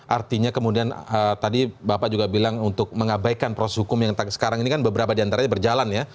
artinya kemudian tadi bapak juga bilang untuk mengabaikan proses hukum yang sekarang ini kan beberapa diantaranya berjalan ya